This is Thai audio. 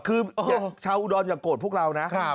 คือชาวอุดรอย่าโกรธพวกเรานะ